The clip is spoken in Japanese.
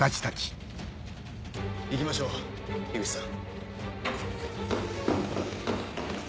行きましょう口さん。